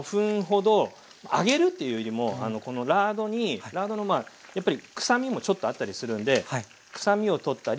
揚げるっていうよりもこのラードにラードのまあやっぱり臭みもちょっとあったりするんで臭みをとったり